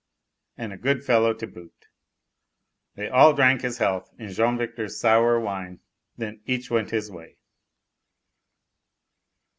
And a good fellow to boot! They all drank his health in Jean Victor's sour wine; then each went his way.